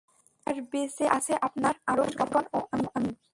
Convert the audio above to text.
আর বেঁচে আছে আপনার আরশ বহনকারিগণ ও আমি।